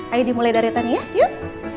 ayo dimulai dari tadi ya yuk